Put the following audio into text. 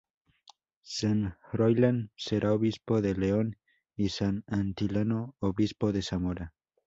San Froilán será obispo de León y San Atilano obispo de Zamora.